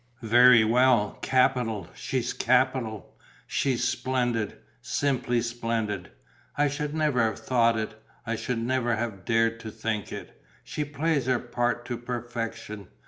"Very well, capital. She's capital. She's splendid, simply splendid. I should never have thought it. I should never have dared to think it. She plays her part to perfection.